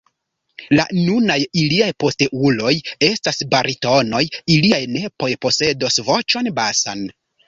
La nunaj iliaj posteuloj estas baritonoj, iliaj nepoj posedos voĉon basan.